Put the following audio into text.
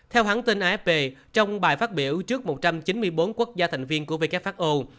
theo hãng tin afp trong bài phát biểu trước một trăm chín mươi bốn quốc gia thành viên của who